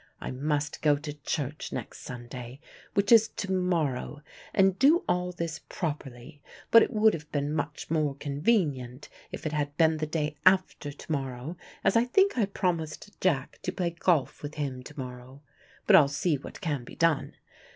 I must go to church next Sunday, which is to morrow, and do all this properly, but it would have been much more convenient if it had been the day after to morrow, as I think I promised Jack to play golf with him to morrow. But I'll see what can be done.